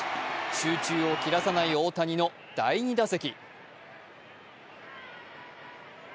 集中を切らさない大谷の第２打席。